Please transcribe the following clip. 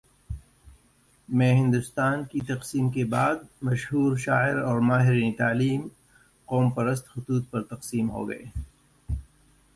میں ہندوستان کی تقسیم کے بعد، مشہور شاعر اور ماہرین تعلیم قوم پرست خطوط پر تقسیم ہو گئے۔